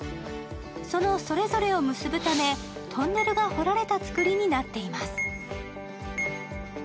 そのそれぞれを結ぶため、トンネルが掘られた造りになっています。